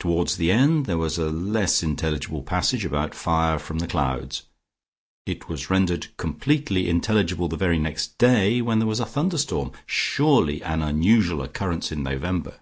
Towards the end there was a less intelligible passage about fire from the clouds. It was rendered completely intelligible the very next day when there was a thunderstorm, surely an unusual occurrence in November.